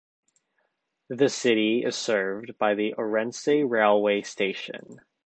The city is served by the Ourense Railway Station.